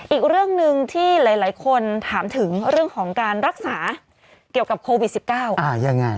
อีกเรื่องหนึ่งที่หลายคนถามถึงเรื่องของการรักษาเกี่ยวกับโควิด๑๙ยังไง